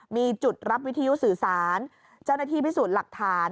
มีจุดรับวิทยุสื่อสารเจ้าหน้าที่พิสูจน์หลักฐาน